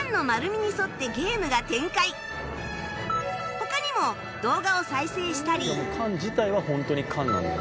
他にも動画を再生したり缶自体はホントに缶なんだね。